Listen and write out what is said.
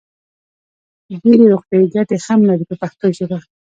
ډېرې روغتیايي ګټې هم لري په پښتو ژبه.